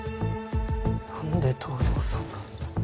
何で藤堂さんが。